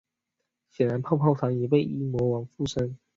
显然泡泡糖已被阴魔王附身。